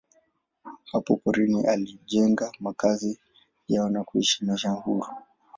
Hapa porini walijenga makazi yao na kuishi maisha huru.